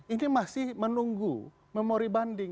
ini masih menunggu memori banding